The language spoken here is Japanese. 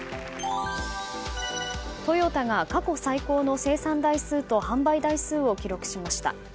トヨタが過去最高の生産台数と販売台数を記録しました。